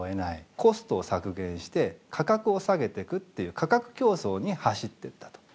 コストを削減して価格を下げてくっていう価格競争に走ってったと。